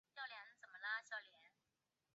刘黎敏是一名中国女子游泳运动员。